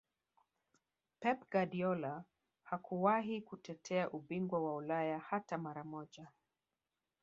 Pep Guardiola hakuwahi kutetea ubingwa wa Ulaya hata mara moja